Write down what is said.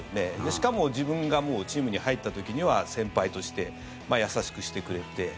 しかも自分がもうチームに入った時には先輩として優しくしてくれて。